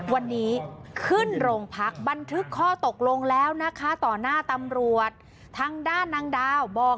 วันนี้ขึ้นโรงพักบันทึกข้อตกลงแล้วนะคะต่อหน้าตำรวจทางด้านนางดาวบอก